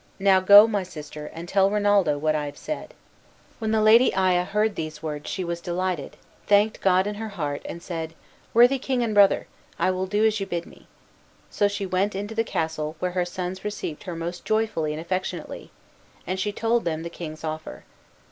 Now go, my sister, and tell Rinaldo what I have said." When the Lady Aya heard these words she was delighted, thanked God in her heart, and said, "Worthy king and brother, I will do as you bid me." So she went into the castle, where her sons received her most joyfully and affectionately, and she told them the king's offer.